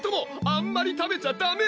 あんまり食べちゃダメ！